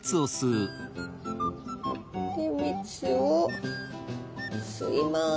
で蜜を吸います。